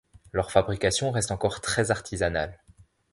Leur fabrication reste encore très artisanale.